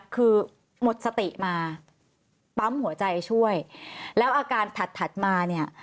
คือหมดสติมาปั๊มหัวใจช่วยแล้วอาการถัดถัดมาเนี่ย